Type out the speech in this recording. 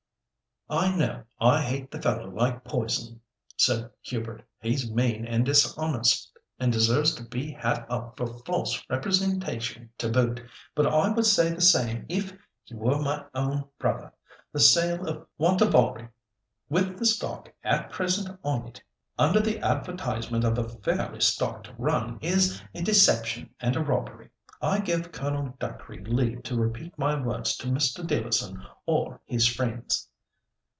"I know I hate the fellow like poison," said Hubert. "He's mean and dishonest—and deserves to be had up for false representation to boot; but I would say the same if he were my own brother. The sale of Wantabalree with the stock at present on it, under the advertisement of a fairly stocked run, is a deception and a robbery. I give Colonel Dacre leave to repeat my words to Mr. Dealerson or his friends."